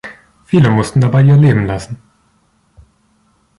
Viele mussten dabei ihr Leben lassen.